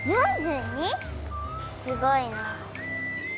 すごいなあ！